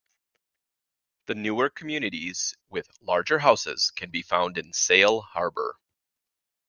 The newer communities with larger houses can be found in Sail Harbor.